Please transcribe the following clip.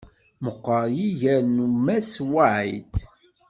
Meqqeṛ yiger n Mass White.